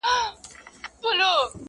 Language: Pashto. د هغه له معنا او مفهوم څخه عاجز سي -